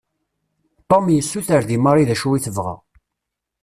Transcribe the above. Tom yessuter deg Marie d acu i tebɣa.